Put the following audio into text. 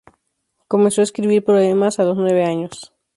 Comenzó a escribir poemas a los nueve años.